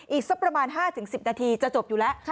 อีกสักประมาณ๕๑๐นาทีจะจบอยู่แล้ว